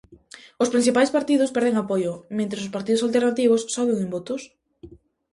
Os principais partidos perden apoio, mentres os partidos alternativos soben en votos.